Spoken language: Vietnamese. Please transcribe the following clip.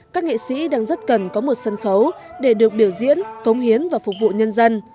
các nghệ sĩ đang rất cần có một sân khấu để được biểu diễn công hiến và phục vụ nhân dân